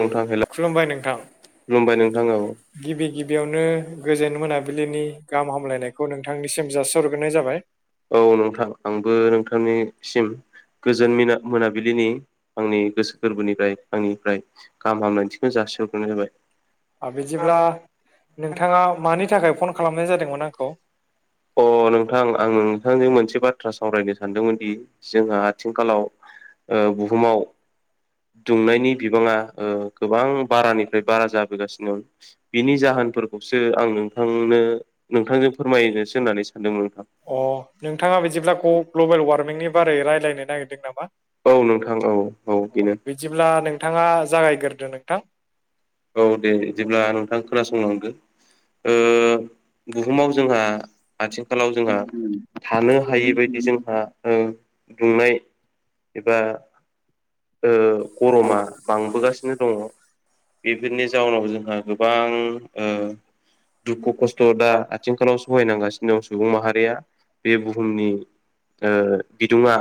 नोंथां हेलौ खुलुमबाय नोंथां। खुलुमबाय नोंथां औ गिबि गिबियावनो गोजोन मोनाबिलिनि गाहाम हामलायनायखौ नोंथांनिसिम जासिहरग्रोनाय जाबाय। औ नोंथां आंबो नोंथांनिसिम गोजोन मिना मोनाबिलिनि आंनि गोसो गोरबोनिफ्राय आंनिफ्राय गाहाम हामलायथिखौनो जासिहरग्रोनाय जाबाय। ओ बिदिब्ला नोंथाङा मानि थाखाय फन खालामनाय जादोंमोन आंखौ अ' नोंथां आं नोंथांजों मोनसे बाथ्रा सावरायनो सानदोंमोन दि जोंहा आथिंखालाव ओ बुहुमाव दुंनायनि बिबाङा ओ गोबां बारानिफ्राय बारा जाबोगासिनो बिनि जाहोनफोरखौसो आं नोंथांनो नोंथांजों फोरमायनोसो होननानै सानदोंमोन नोंथां। अ' नोंथाङा बिदिब्ला ग ग्लबेल वारमिंनि बारै रायज्लायनो नागिरदों नामा? औ नोंथां औ औ बेनो। बिदिब्ला नोंथाङा जागायग्रोदो नोंथां। औ दे बिदिब्ला नोंथां खोनासंलांदो ओ बुहुमाव जोंहा आथिखालाव जोंहा थानो हायैबायायदि जोंहा ओ‌ दुंनाय एबा‌ ओ गरमा बांबोगासिनो दङ बेफोरनि जाउनाव जोंहा गोबां ओ दुखु खस्थ' दा आथिंखालाव सहायनांगासिनो दं सुबुं माहारिया बे बुहुमनि ओ बिदुंया‌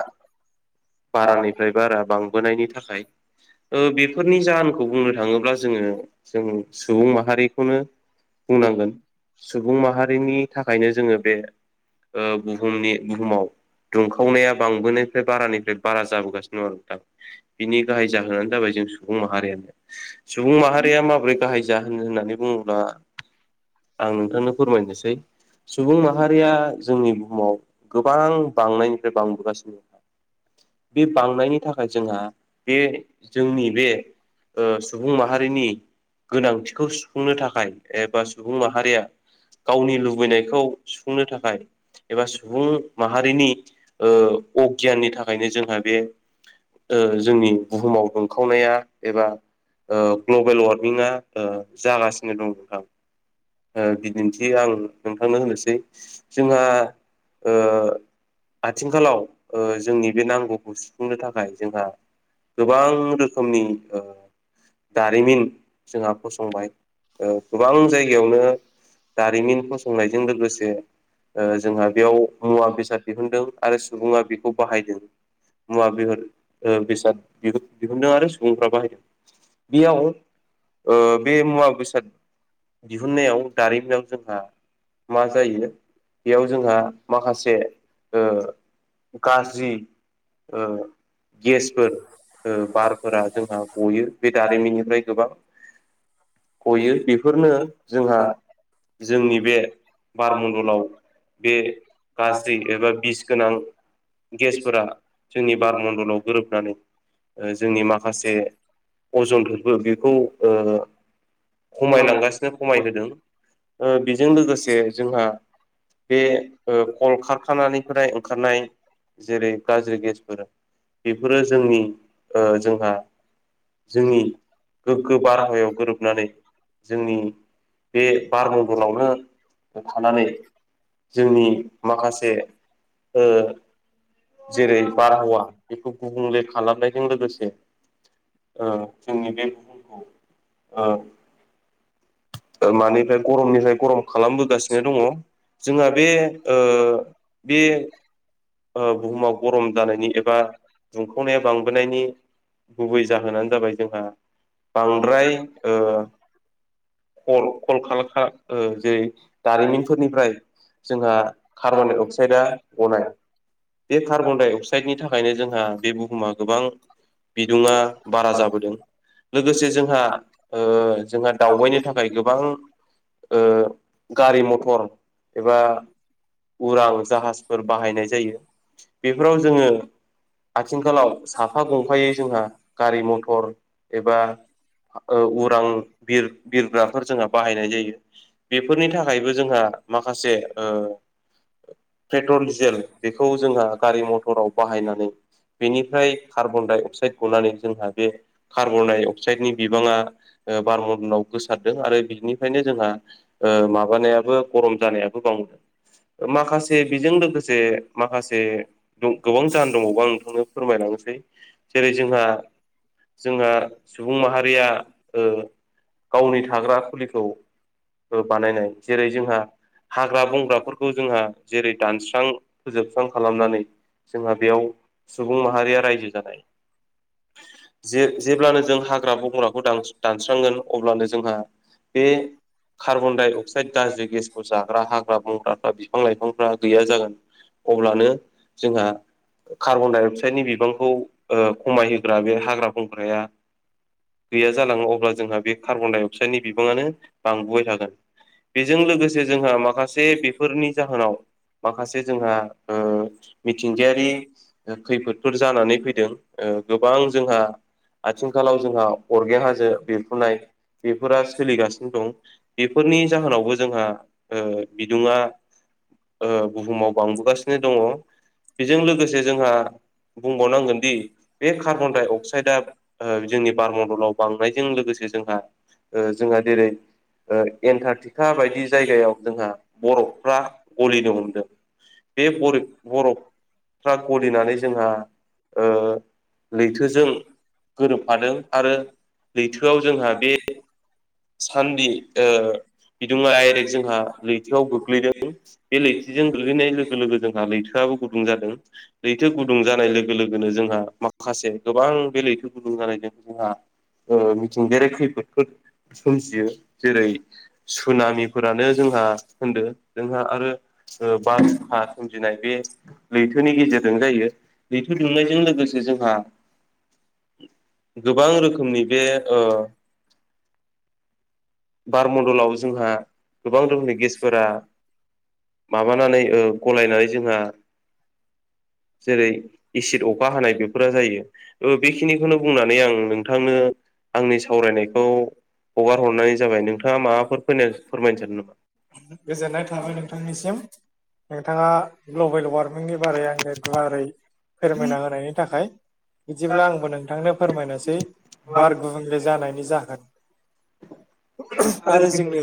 बारानिफ्राय बारा बांबोनायनि थाखाय ओ बेफोरनि जाहोनखौ बुंनो थाङोब्ला जोङो जों सुबुं माहारिखौनो बुंनांगोन सुबुं माहारिनि थाखायनो जोङो बे ओ बुहुमनि बुहुमाव दुंखावनाया बां बोनायनिफ्राय बारानिफ्राय बारा जाबोगासिनो दं आरो नोंथां बिनि गाहाय जाहोनानो जाबाय जों सुबुं माहारियानो सुबुं माहारिया माबोरै गाहाय जाहोन होननानै बुङोब्ला आं नोंथांनो फोरमायनोसै सुबुं माहारिया जोंनि बुहुमाव गोबां बांनायनिफ्राय बांबोगासिनो बे बांनायनि थाखाय जोंहा बे जोंनि बे ओ सुबुं माहारिनि गोनांथिखौ सुफुंनो थाखाय एबा सुबुं माहारिया गावनि लुबैनायखौ सुफुंनो थाखाय एबा सुबुं माहारिनि ओ अगियाननि थाखायनो जोंहा बे ओ जोंनि बुहुमाव दुंखावनाया एबा ओ ग्लबेल वारमिंना ओ जागासिनो दं नोंथां ओ बिदिन्थि आं नोंथांनो होनोसै जोंहा ओ आथिंखालाव ओ जोंनि बे नांगौखौ सुफुंनो थाखाय जोंहा गोबां रोखोमनि ओ दारिमिन जोंहा फसंबाय ओ गोबां जायगायावनो दारिमिन फसंनायजों लोगोसे ओ जोंहा बेयाव मुवा बेसाद दिहुनदों आरो सुबुङा बेखौ बाहायदों। मुवा बेहुर ओ बेसाद दिहुन दिहुनदों आरो सुबुंफ्रा बाहायदों। बेयाव ओ बे मुवा बेसाद दिहुननायाव दारिमिनाव जोंहा मा जायो बेयाव जोंहा माखासे ओ गाज्रि ओ गेसफोर ओ बारफोरा जोंहा गयो बे दारिमिननिफ्राय गोबां गयो बेफोरनो जोंहा जोंनि बे बारमण्डलाव बे गाज्रि एबा बिस गोनां गेसफोरा जोंनि बार मण्डलाव गोरोबनानै जोंनि माखासे अजनफोरबो बेखौ ओ खमायलांगासिनो खमायहोदों ओ बेजों लोगोसे जोंहा बे खल कारखनिफ्राय ओंखारनाय जेरै गाज्रि गेसफोर बेफोरो जोंनि ओ जोंहा जोंनि गोगो बारहावायाव गोरोबनानै जोंनि बे बार मंण्डलावनो थानानै जोंनि माखासे ओ जेरै बारहावा बेखौ गुबुंले खालामनायजों लोगोसे ओ जोंनि बे बुहुमखौ ओ मानिफ्राय गरमनिफ्राय गरम खालामबोगासिनो दङ। जोंहा बे ओ बे ओ बुहुमाव गरम जानायनि एबा दुंखावनाया बांबोनायनि गुबै जाहोनानो जाबाय जोंहा बांद्राय ओ कल कलखा ओ जै दारिमिनफोरनिफ्राय जोंहा कार्बन डाइ अक्साइडा गनाय बे कार्बनडाइ अक्साइडनि थाखायनो जोंहा बे बुहुमा गोबां बिदुङा बारा जाबोदों लोगोसे जोंहा ओ जोंहा दावबायनो थाखाय गोबां ओ गारि मथर एबा उरां जाहाजफोर बाहायनाय जायो। बेफोराव जोङो आथिंखालाव साफा गंफायै जोंहा गारि मथर एबा औ उरां बिर बिरग्राफोर जोंहा बाहायनाय जायो। बेफोरनि थाखायबो जोंहा माखासे ओ पेट्रल डिजेल बेखौ जोंहा गारि मथराव बाहायनानै बेनिफ्राय कार्बन डाइ अक्साइद गनानै जोंहा बे कार्बन डाइ अक्साइडनि बिबाङा बारमदलव गोसारदों आरो बिनिफ्रायनो जोंहा ओ माबानायाबो गरम जानायाबो बां माखासे बेजों लोगोसे माखासे दं गोबां जाहोन दंबावो आं नोंथांनो फोरमायलांनोसै जेरै जोंहा जोंहा सुबुं माहारिया ओ गावनि थाग्रा खुलिखौ बानायनाय जेरै जोंहा हाग्रा बंग्राफोरखौ जोंहा जेरै दानस्रां फोजोबस्रां खालामनानै जोंहा बेयाव सुबुं माहारिया रायजो जानाय। जे जेब्लानो जों हाग्रा बंग्राखौ दान-दानस्रांगोन अब्लानो जोंहा बे कार्बन डाइ अक्साइड गाज्रि गेसखौ जाग्रा हाग्रा बंग्राफ्रा बिफां लाइफांफ्रा गैया जागोन अब्लानो जोंहा कार्बन डाइ अक्साइडनि बिबांखौ ओ खमायहो ग्रा बे हाग्रा ब्रंग्राया गैया जालाङो अब्ला जोंहा बे कार्बन डाइ अक्साइडनि बिबाङानो बांबोबाय थागोन। बेजों लोगोसे जोंहा माखासे बेफोरनि जाहोनाव माखासे जोंहा ओ मिथिंगायारि खैफोदफोर जानानै फैदों ओ गोबां जोंहा आथिंखालाव जोंहा अरगें हाजो बेरफ्रुनाय बेफोरा सोलिगासिनो दं। बेफोरनि जाहोनावबो जोंहा ओ बिदुङा ओ बुहुमाव बांबोगासिनो दङ'। बेजों लोगोसे जोंहा बुंबावनांगोनदि बे कार्बनडाइ अक्साइडआ ओ जोंनि बारमडलाव बांनायजों लोगोसे जोंहा ओ जोंहा जेरै ओ एन्टारटिका बायदि जायगायाव जोंहा बरफफ्रा गलिनो हमदों। बे बरिब बरफफ्रा गलिनानै जोंहा ओ लैथोजों गोरोब फादों आरो लैथोआव जोंहा बे सानदि ओ बिदुङा डायरेक्ट जोंहा लैथोआव गोग्लैदों। बे लैथोजों गोलैनाय लोगो लोगो जोंहा लैथोआबो गुदुं जादों। लैथो गुदुं जानाय लोगो लोगोनो जोंहा माखासे गोबां बे लैथो गुदुं जानायजों जोंहा ओ मिथिंगायारि खैफोदफोर सोमजियो जेरै सुनामिफोरानो जोंहा होनदो जोंहा आरो ओ बारहुखा सोमजिनाय बे लैथोनि गेजेरजों जायो। लैथो दुमनायजों लोगोसे जोंहा गोबां रोखोमनि बे ओ बार मनडलाव जोंहा गोबां रोखोमनि गेसफोरा माबानानै ओ गलायनानै जोंहा जेरै एसिद अखा हानाय बेफोरा जायो। ओ बे खिनिखौनो बुंनानै आं नोंथांनो आंनि सावरायनायखौ हगार हरनाय जाबाय। नोंथाङा माबाफोर फोनो फोरमायनो सानो नामा? गोजोननाय थाबाय नोंथांनिसिम नोंथाङा ग्लबेल वारमिंनि बारै आनो गुवारै फोरमायना होनायनि थाखाय। बिदिब्ला आंबो नोंथांनो फोरमायनोसै बार गुबुं ग्ले जानायनि जागोन आरो जोंनो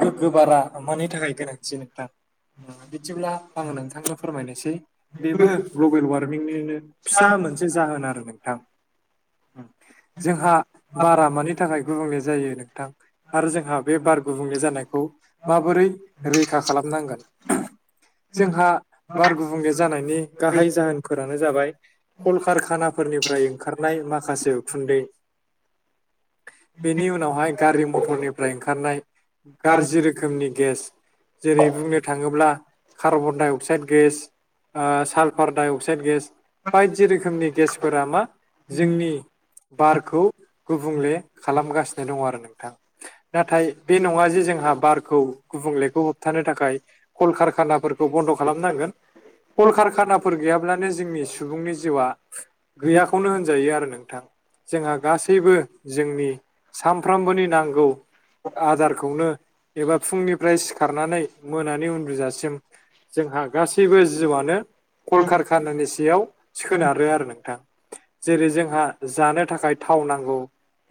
गोग्गो बारा मानि थाखाय गोनांथि नोंथां बिदिब्ला आङो नोंथांनो फोरमायनोसै। बेबो ग्लबेल वारमिंनिनो फिसा मोनसे जाहोन आरो नोंथां। जोंहा बारा मानि थाखाय गुबुंले जायो नोंथां आरो जोंहा बे बार गुबुंले जानायखौ माबोरै रैखा खालामनांगोन। जोंहा बार गुबुंले जानायनि गाहाय जाहोन फोरानो जाबाय कलकारखानाफोरनिफ्राय ओंखारनाय माखासे उखुन्दै। [inaudible] बेनि उनावहाय गारि मटरनिफ्राय ओंखारनाय गारजि रोखोमनि गेस। जेरै बुंनो थाङोब्ला कार्बन डाइ अक्साइड गेस ओ सालफार डाइ अक्साइड गेस बायदि रोखोमनि गेसफोरा मा जोंनि बारखौ गुबुंले खालामगासिनो दङ आरो नोंथां। नाथाय बे नङा जे जोंहा बार औ गुबुंलेखौ होबथानो थाखाय कल कारखानाफोरखौ बन्द' खालामनांगोन। कल कारखानाफोर गैयाब्लानो जोंनि सुबुंनि जिउआ। गैयाखौनो होनजायो आरो नोंथां। जोंहा गासैबो जोंनि सानफ्रोमबोनि नांगौ। आदारखौनो [unintelligible] एबा फुंनिफ्राय सिखारनानै मोनानि उन्दुजासिम। जोंहा गासैबो जिउआनो। कलकारखानानि सायाव सोनारो आरो नोंथां। जेरै जोंहा जानो थाखाय थाव नांगौ।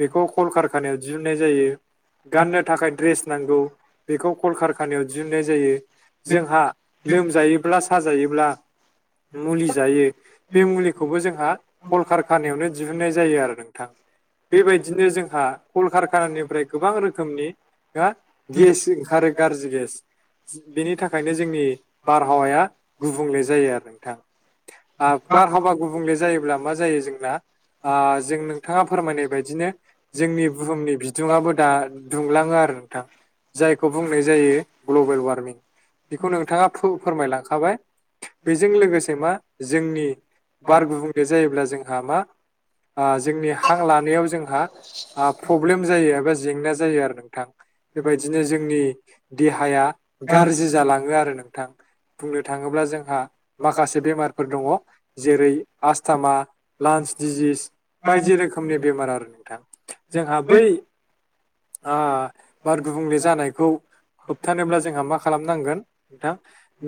बेखौ कलकारखानायाव दिहुननाय जायो गाननो थाखाय द्रेस। नांगौ बेखौ कलकारखानायाव दिहुननाय जायो जोंहा। लोमजायोब्ला साजायोब्ला मुलि जायो। बे मुलिखौबो जोंहा कलकारखानायावनो दिहुननाय जायो आरो नोंथां। बेबायदिनो जोंहा कलकारखानानिफ्राय गोबां रोखोमनि। हो गेस ओंखारो गारज्रि गेस। बेनि थाखायनो जोंनि बारहावाया गुबुंले जायो आरो नोंथां। बारहावा गुबुंले जायोब्ला मा जायो जोंना। ओ जों नोंथाङा फोरमायनाय बायदिनो। जोंनि बुहुमनि बिदुङाबो दा दुंलाङो आरो। नोंथां जायखौ बुंनाय जायो ग्लबेल वार्मिं। बेखौ नोंथाङा फोरमायलांखाबाय। बेजों लोगोसे मा जोंनि बार गुबुंले जायोब्ला जोंहा मा। जोंनि हां लानायाव जोंहा प्रब्लेम जायो एबा जेंना जायो आरो नोंथां। बेबायदिनो जोंनि देहाया गाज्रि जालाङो आरो नोंथां। बुंनो थाङोब्ला जोंहा माखासे बेमारफोर दङ जेरै आसस्थामा लान्स डिजिस बायदि रोखोमनि बेमार आरो नोंथां जोंहा बै ओ बार गुबुंले जानायखौ होबथानोब्ला जोंहा मा खालामनांगोन नोंथां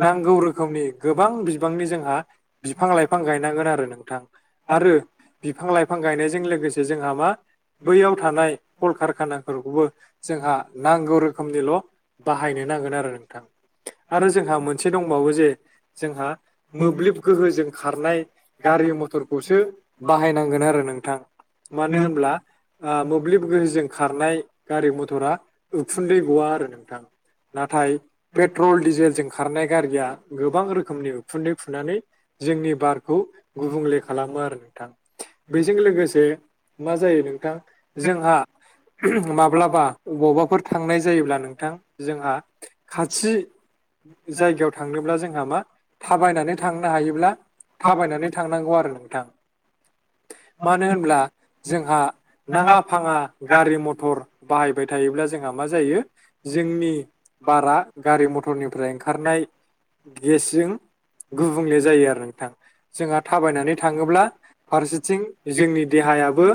नांगौ रोखोमनि गोबां बिबांनि जोंहा बिफां लाइफां गायनांगोन आरो नोंथां आरो बिफां लाइफां गायनायजों लोगोसे जोंहा मा बैयाव थानाय कलकारखानाफोरखौबो जोंहा नांगौ रोखोमनिल बाहायनो नांगोन आरो नोंथां आरो जोंहा मोनसे दंबावो जे जोंहा मोब्लिब गोहोजों खारनाय गारि मथरखौसो बाहायनांगोन आरो नोंथां मानो होनब्ला ओ मोब्लिब गोहोजों खारनाय गारि मथरा उखुन्दै गवा आरो नोंथां नाथाय पेट्रल डिजेलजों खारनाय गारिया गोबां रोखोमनि उखुन्दै खुनानै जोंनि बारखौ गुबुंले खालामो आरो नोंथाङा बेजों लोगोसे मा जायो नोंथां जोंहा माब्लाबा बबाफोर थांनाय जायोब्ला नोंथां जोंहा खाथि जायगायाव थांनोब्ला जोंहा मा थाबायनानै थांनो हायोब्ला थाबायनानै थांनांगौ आरो नोंथां मानो होनब्ला जोंहा नाङा फाङा गारि मथर बाहायबाय थायोब्ला जोंहा मा जायो जोंनि बारा गारि मथरनिफ्राय ओंखारनाय गेसजों गुबुंले जायो आरो नोंथां जोंहा थाबायनानै थाङोब्ला फारसेथिं जोंनि देहायाबो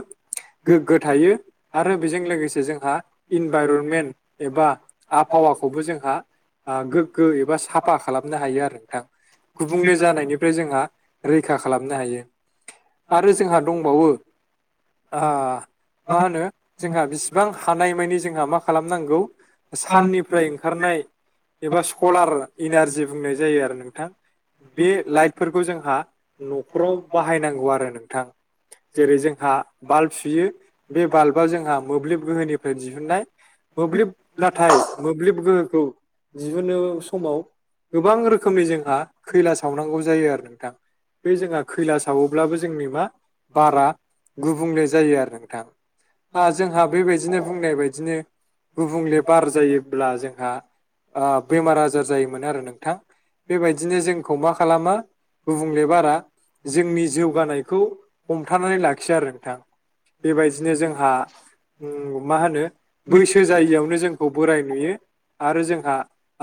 गोग्गो थायो आरो बेजों लोगोसे जोंहा इनभाइरनमेन्ट एबा आबहावाखौबो जोंहा गोग्गो एबा साफा खालामनो हायो आरो नोंथां गुबुंले जानायनि फ्राय जोंहा रैखा खालामनो हायो आरो जोंहा दंबावो आहा मा होनो जोंहा बिसिबां हानाय मायनि जोंहा मा खालामनांगौ सननिफ्राय ओं खारनाय एबा सलार इनारजि बुंनाय जायो आरो नोंथां बे लाइटफोरखौ जोंहा नखराव बाहायनांगौ आरो नोंथां जेरै जोंहा बाल्ब सुयो बे बाल्बा जोंहा मोब्लिब गोहोनिफ्राय दिहुनन्नाय मोब्लिब नाथाय मोब्लिब गोहोखौ दिहुनो समाव गोबां रोखोमनि जोंहा खैला सावनांगौ जायो आरो नोंथां बे जोंहा खैला सावोब्लाबो जोंनि मा बारा गुबुंले जायो आरो नोंथां आ जोंहा बेबायदिनो बुंनाय बायदिनो गुबुंले बार जायोब्ला जोंहा ओ बेमार आजार जायोमोन आरो नोंथां बेबायदिनो जोंखौ मा खालामो गुबुंलेबारा जोंनि जौगानायखौ हमथानानै लाखियो आरो नोंथां बेबायदिनो जोंहा मा होनो बैसो जायियावनो जोंखौ बोराय नुयो आरो जोंहा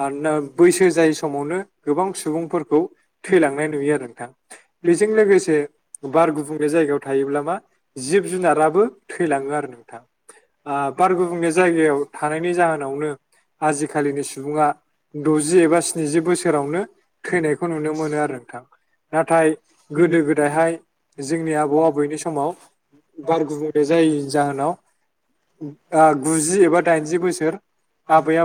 आरना बैसो जायै समावनो गोबां सुबुंफोरखौ थैलांनाय नुयो आरो नोंथां बेजों लोगोसे बार गुबुंले जायगायाव थायोब्ला मा जिब जुनाराबो थैलाङो आरो नोंथा आ बार गुबुंले जायगायाव थानायनि जाहोनावनो आजिखालिनि सुबुङा दजि एबा स्निजि बोसोरावनो थैनायखौ नुनो मोनो आरो नोंथां नाथाय गोदो गोदायहाय जोंनि आबौ-आबैनि समाव बार गुबुंले जायैनि जाहोनाव ओ गुजि एबा दाइनजि बोसोर आबै-आबौ